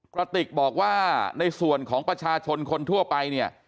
กระติกบอกว่าในส่วนของประชาชนคนทั่วไปเนี่ย